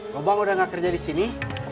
gobang sudah tidak bekerja di sini